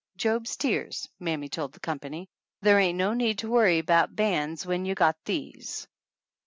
"Job's Tears," mammy told the company. "Ther ain't no need to worry about bands when you've got these!